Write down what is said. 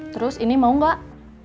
terus ini mau gak